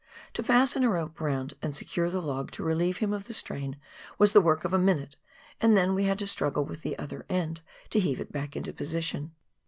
To fasten a rope round and secure the log to relieve him of the strain was the work of a minute, and then we had to struggle with the other end, to heave it back into position.